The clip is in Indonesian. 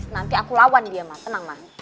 nanti aku lawan dia ma tenang ma